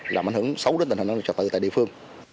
làm ảnh hưởng xấu đến tình hình trò tự tại địa phương